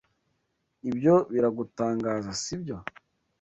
Ibyo biragutangaza, sibyo?